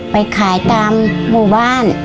ไปขายทางห่วงบ้าน